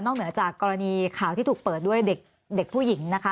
เหนือจากกรณีข่าวที่ถูกเปิดด้วยเด็กผู้หญิงนะคะ